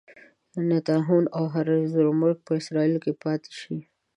نتنیاهو او هرزوګ به په اسرائیلو کې پاتې شي.